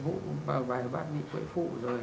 vụ bài vạn bị quẩy phụ rồi